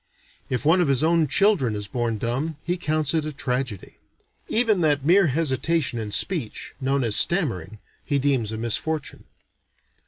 If one of his own children is born dumb, he counts it a tragedy. Even that mere hesitation in speech, known as stammering, he deems a misfortune.